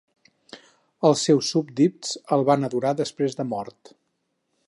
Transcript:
Els seus súbdits el van adorar després de mort.